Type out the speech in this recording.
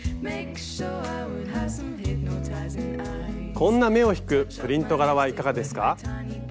こんな目を引くプリント柄はいかがですか？